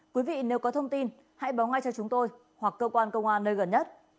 quý vị nếu có thông tin hãy báo ngay cho chúng tôi hoặc cơ quan công an nơi gần nhất